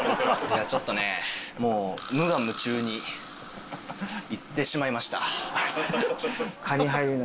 いやちょっとねもう。に行ってしまいました。